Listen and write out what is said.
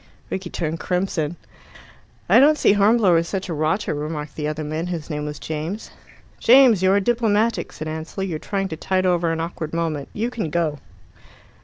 Rickie turned crimson. "I don't see Hornblower's such a rotter," remarked the other man, whose name was James. "James, you are diplomatic," said Ansell. "You are trying to tide over an awkward moment. You can go."